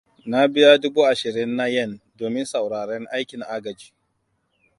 Na biya dubu ashirin na yen domin sauraren aikin agaji.